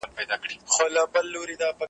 او له خپل یوازیتوبه سره ژاړې .